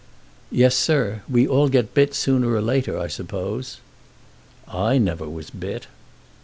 "Yes, sir. We all get bit sooner or later, I suppose." "I never was bit."